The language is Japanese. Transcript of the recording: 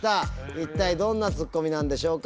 一体どんなツッコミなんでしょうか。